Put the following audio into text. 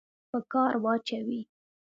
په کار واچوي.